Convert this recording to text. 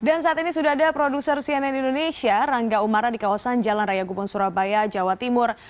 dan saat ini sudah ada produser cnn indonesia rangga umara di kawasan jalan raya gubon surabaya jawa timur